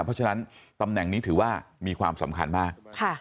เพราะฉะนั้นตำแหน่งนี้ถือว่ามีความสำคัญมาก